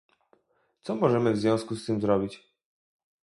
Co możemy w związku z tym zrobić?